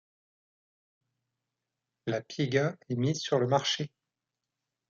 La Piega est mise sur le marché.